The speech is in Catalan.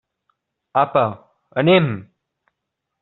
Apa, anem!